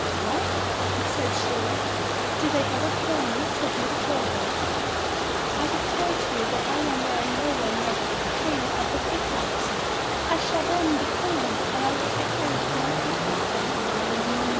"What!" said she, "do they ever kill and eat so beau tiful a bird? I declare to you that I will marry no one but the King of the Peacocks; I shall then be queen, and I will take care that no peacocks are eaten."